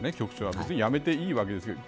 別に辞めていいわけですけど。